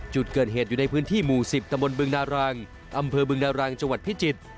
จุดเกิดเหตุอยู่ในพื้นที่หมู่๑๐ตะบนบึงนารังอำเภอบึงนารังจังหวัดพิจิตร